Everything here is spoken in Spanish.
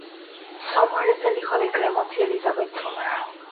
Sommer es el hijo de Clemons y Elisabeth Sommer.